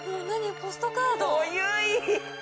ポストカード？